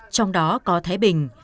trong đó có thái bình